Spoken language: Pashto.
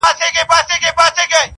• خو په زړه کي پټ له ځان سره ژړېږم -